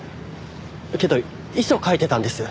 けど遺書書いてたんです。